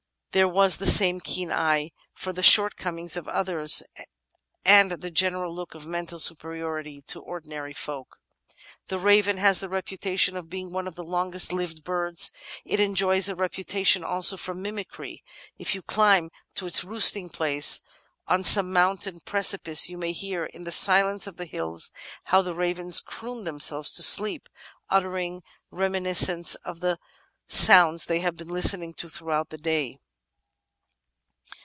There was the same keen eye for the short voL. n^8 410 The Outline of Science comings of others, and the general look of mental superiority to ordinary folk." ^ The Raven has the reputation of being one of the longest lived birds ; it enjoys a reputation also for mimicry. If you climb to its roosting place on some mountain precipice you may hear "in the silence of the hills how the ravens croon themselves to sleep, uttering reminiscences of the soimds they have been listening to throughout the day."